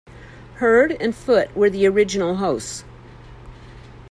Heard and Foote were the original hosts.